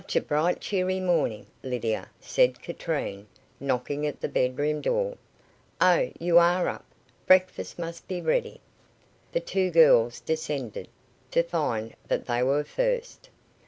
"Such a bright cheery morning, Lydia," said Katrine, knocking at the bedroom door. "Oh, you are up. Breakfast must be ready." The two girls descended, to find that they were first.